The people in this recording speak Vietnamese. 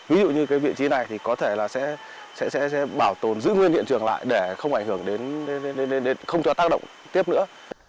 ví dụ như cái vị trí này thì có thể là sẽ bảo tồn giữ nguyên hiện trường lại để không ảnh hưởng đến không cho tác động tiếp nữa